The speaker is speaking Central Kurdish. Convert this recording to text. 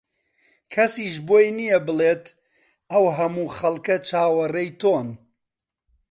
کەسیش بۆی نییە بڵێت ئەو هەموو خەڵکە چاوەڕێی تۆن